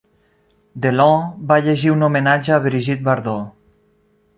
Delon va llegir un homenatge a Brigitte Bardot.